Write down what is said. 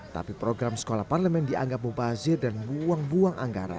tapi program sekolah parlemen dianggap mubazir dan buang buang anggaran